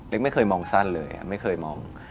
ไม่เคยมองสั้นเลยไม่เคยมอง